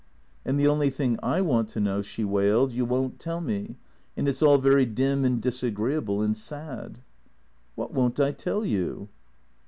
" And the only thing I want to know," she wailed, '' you won't tell me, and it 's all very dim and disagreeable and sad." "What won't I tell you?"